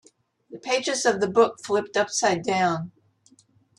The pages of the book flipped upside down.